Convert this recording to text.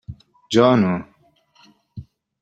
Jo no.